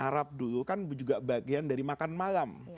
harap dulu kan juga bagian dari makan malam